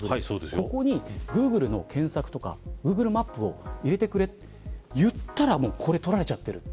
ここにグーグルの検索とかグーグルマップを入れてくれと言ったらこれ取られちゃってる。